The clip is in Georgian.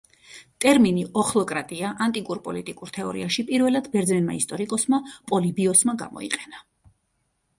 ტერმინი ოხლოკრატია ანტიკურ პოლიტიკურ თეორიებში პირველად ბერძენმა ისტორიკოსმა პოლიბიოსმა გამოიყენა.